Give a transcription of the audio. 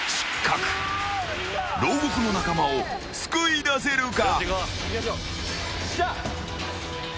［牢獄の仲間を救い出せるか？］